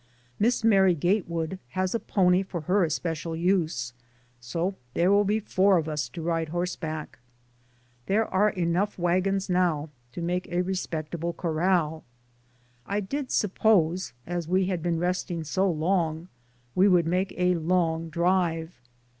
Miss Mary Gatewood has a pony for her 64 DAYS ON THE ROAD. especial use, .so there will be four of us to ride horseback. There are enough wagons now to make quite a respectable corral. I did suppose, as we had been resting so long, we would make a long drive.